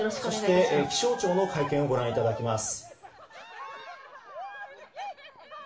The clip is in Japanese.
気象庁の会見をご覧いただきます。